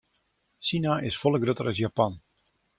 Sina is folle grutter as Japan.